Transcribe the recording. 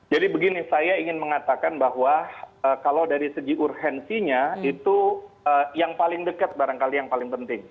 jadi begini saya ingin mengatakan bahwa kalau dari segi urgensinya itu yang paling dekat barangkali yang paling penting